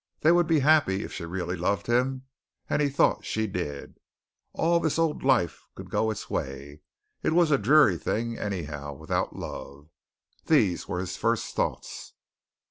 They would be happy if she really loved him and he thought she did. All this old life could go its way. It was a dreary thing, anyhow, without love. These were his first thoughts.